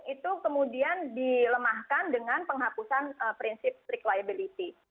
itu kemudian dilemahkan dengan penghapusan prinsip liability